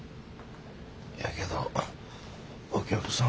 やけどお客さんが。